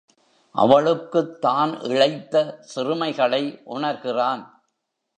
அவளுக்குத் தான் இழைத்த சிறுமைகளை உணர் கிறான்.